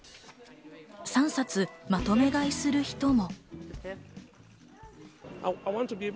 ３冊まとめ買いする人も。